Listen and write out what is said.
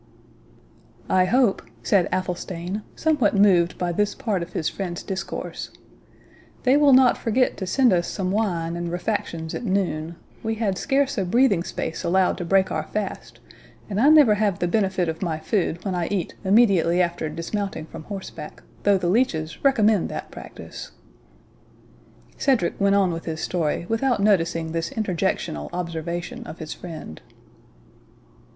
"I hope," said Athelstane, somewhat moved by this part of his friend's discourse, "they will not forget to send us some wine and refactions at noon—we had scarce a breathing space allowed to break our fast, and I never have the benefit of my food when I eat immediately after dismounting from horseback, though the leeches recommend that practice." Cedric went on with his story without noticing this interjectional observation of his friend.